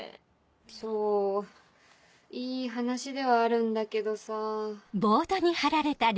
そういい話ではあるんだけどさ。